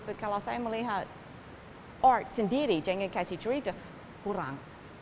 tapi kalau saya melihat art sendiri jangan kasih twitter kurang